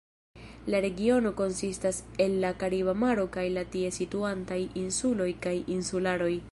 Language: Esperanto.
La regiono konsistas el la Kariba Maro kaj la tie situantaj insuloj kaj insularoj.